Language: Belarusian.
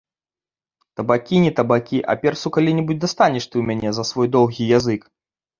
Табакі не табакі, а перцу калі-небудзь дастанеш ты ў мяне за свой доўгі язык.